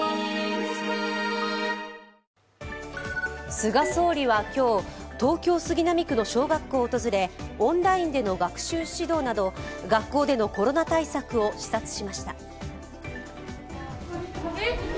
菅総理は今日、東京・杉並区の小学校を訪れオンラインでの学習指導など学校でのコロナ対策を視察しました。